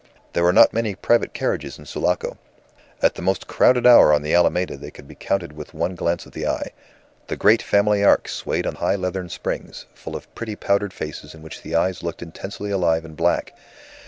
There were not many private carriages in Sulaco; at the most crowded hour on the Alameda they could be counted with one glance of the eye. The great family arks swayed on high leathern springs, full of pretty powdered faces in which the eyes looked intensely alive and black.